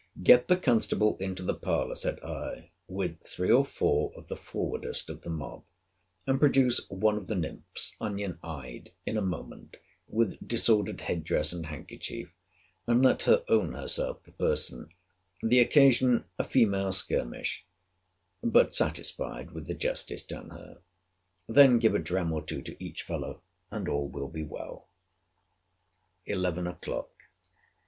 Get the constable into the parlour, said I, with three or four of the forwardest of the mob, and produce one of the nymphs, onion eyed, in a moment, with disordered head dress and handkerchief, and let her own herself the person: the occasion, a female skirmish: but satisfied with the justice done her. Then give a dram or two to each fellow, and all will be well. ELEVEN O'CLOCK.